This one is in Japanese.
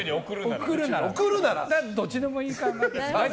どっちでもいいかなって。